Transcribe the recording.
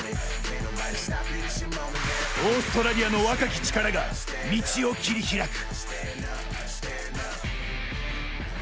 オーストラリアの若き力が道を切り開く。